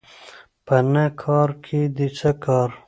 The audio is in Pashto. په نه کارکې دې څه کار